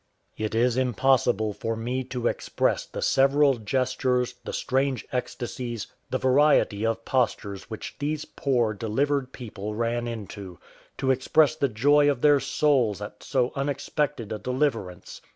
It is impossible for me to express the several gestures, the strange ecstasies, the variety of postures which these poor delivered people ran into, to express the joy of their souls at so unexpected a deliverance.